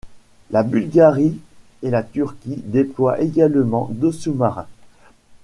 La Bulgarie et la Turquie déploient également deux sous-marins.